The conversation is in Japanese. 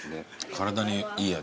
体にいい味。